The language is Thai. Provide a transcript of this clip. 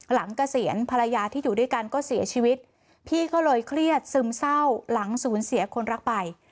เกษียณภรรยาที่อยู่ด้วยกันก็เสียชีวิตพี่ก็เลยเครียดซึมเศร้าหลังศูนย์เสียคนรักไป